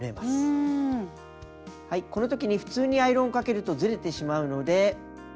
このときに普通にアイロンかけるとずれてしまうので。